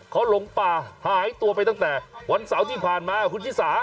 เขาหลงป่าหายตัวไปตั้งแต่วันเสาร์ที่ผ่านมาคุณชิสา